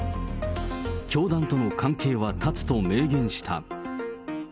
教団との関係は断つと明言した。